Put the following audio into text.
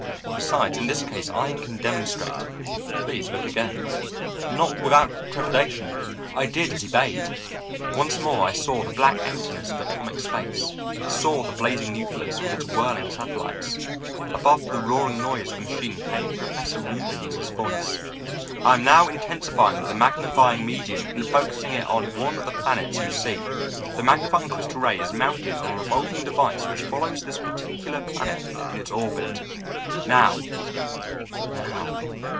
Besides in this case I can demonstrate. Please look again.' "Not without trepidation, I did as he bade. Once more I saw the black emptiness of atomic space, saw the blazing nucleus with its whirling satellites. Above the roaring noise of the machine came Professor Reubens' voice. 'I am now intensifying the magnifying medium and focusing it on one of the planets you see. The magnifying crystal ray is mounted on a revolving device which follows this particular planet in its orbit. Now ... now....'